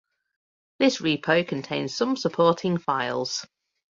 this repo contains some supporting files